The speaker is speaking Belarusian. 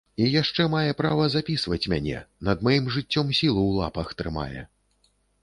І яшчэ мае права запісваць мяне, над маім жыццём сілу ў лапах трымае.